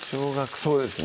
そうですね